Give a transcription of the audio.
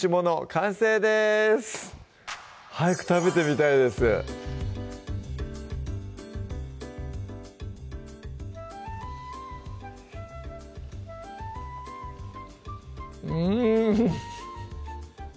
完成です早く食べてみたいですうん